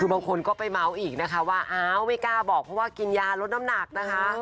คือบางคนก็ไปเมาส์อีกนะคะว่าอ้าวไม่กล้าบอกเพราะว่ากินยาลดน้ำหนักนะคะ